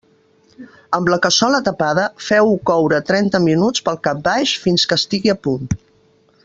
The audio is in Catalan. Amb la cassola tapada, feu-ho coure trenta minuts pel cap baix fins que estigui al punt.